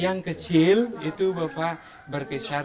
yang kecil itu bapak berkisar satu empat ratus